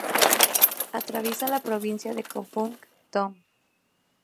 Atraviesa la provincia de Kompung Thom.